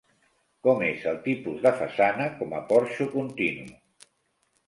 Com és el tipus de façana com a porxo continu?